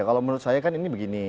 kalau menurut saya kan ini begini